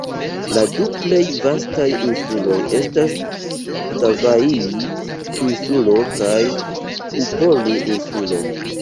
La du plej vastaj insuloj estas Savaii-Insulo kaj Upolu-Insulo.